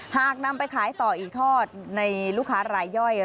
หากนำไปขายต่ออีกทอดในลูกค้ารายย่อย